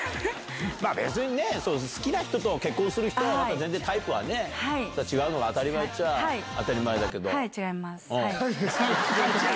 まあ別にね、好きな人と結婚する人はまた全然タイプはね、違うのが当たり前っちゃ当たり前だけど。